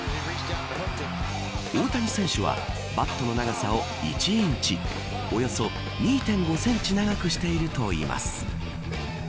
大谷選手はバットの長さを１インチおよそ２．５センチ長くしているといいます。